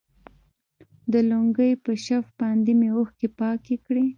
د لونگۍ په شف باندې مې اوښکې پاکې کړي.